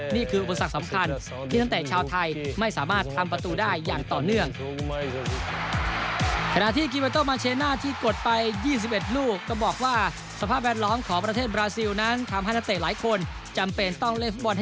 อุปสรรคสำคัญที่นักเตะชาวไทยไม่สามารถทำประตูได้อย่างต่อเนื่อง